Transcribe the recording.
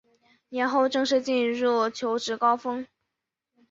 年后正式进入求职高峰